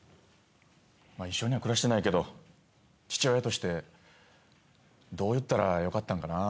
一緒には暮らしてないけど父親としてどう言ったらよかったんかなぁ。